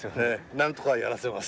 なんとかやらせます。